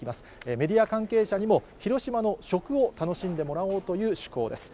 メディア関係者にも、広島の食を楽しんでもらおうという趣向です。